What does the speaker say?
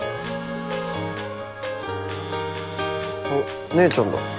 おっ姉ちゃんだ。